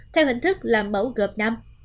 theo hình thức là mẫu gợp năm